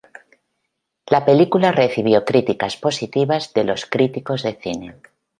La película recibió críticas positivas de los críticos de cine.